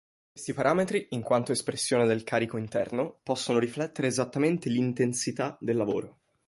Questi parametri, in quanto espressione del "carico interno", possono riflettere esattamente l’"intensità" del lavoro.